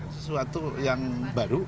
sesuatu yang baru